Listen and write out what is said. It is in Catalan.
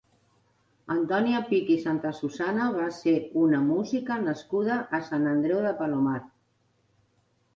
Antònia Pich i Santasusana va ser una música nascuda a Sant Andreu de Palomar.